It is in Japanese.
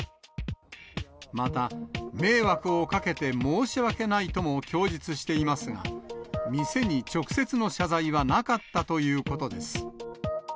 また、迷惑をかけて申し訳ないとも供述していますが、店に直接の謝罪はなかったということです。